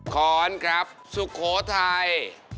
ขอนครับสุโขทัย